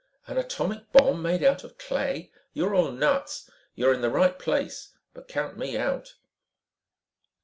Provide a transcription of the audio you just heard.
An atomic bomb made out of clay. You are all nuts. You're in the right place, but count me out."